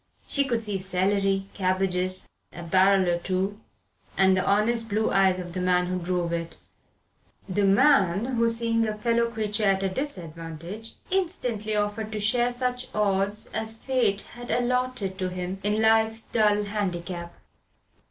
She could see celery, cabbages, a barrel or two, and the honest blue eyes of the man who drove it the man who, seeing a fellow creature at a disadvantage, instantly offered to share such odds as Fate had allotted to him in life's dull handicap.